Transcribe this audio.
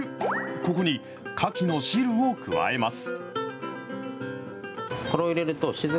ここにかきの汁を加えます。